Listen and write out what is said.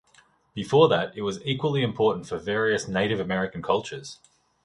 Before that, it was equally important for various Native American cultures.